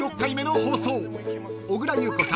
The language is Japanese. ［小倉優子さん